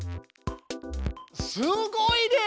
すごいです！